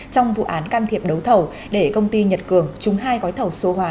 trong vụ án can thiệp đấu thầu để công ty nhật cường trúng hai gói thầu số hóa